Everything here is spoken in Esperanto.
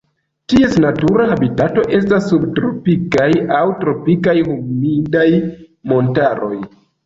Ties natura habitato estas subtropikaj aŭ tropikaj humidaj montaroj.